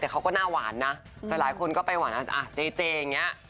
แต่เขาก็หน้าหวานนะแต่หลายคนก็ไปหวานอ่ะเจเจอย่างนี้